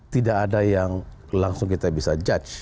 tidak ada yang langsung kita bisa judge